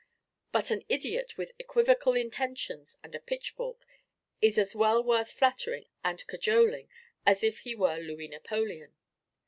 But an idiot with equivocal intentions and a pitchfork is as well worth flattering and cajoling as if he were Louis Napoleon.